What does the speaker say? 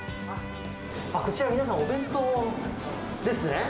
こちら皆さん、お弁当ですね。